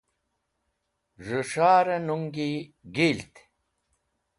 Z̃hu S̃hare nuñgi Gilt.